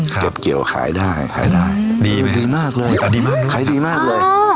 เก็บเกี่ยวขายได้ดีมากเลยขายดีมากเลย